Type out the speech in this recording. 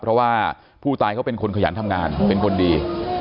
เพราะว่าผู้ตายเขาเป็นคนขยันทำงานเป็นคนดี